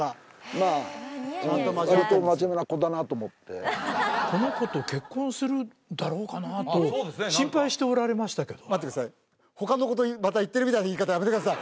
まあだなと思ってこの子と結婚するだろうかな？と心配しておられましたけど待ってください他の子とまた行ってるみたいな言い方やめてください！